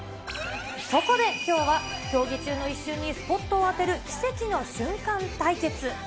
そこできょうは、競技中の一瞬にスポットを当てる、奇跡の瞬間対決。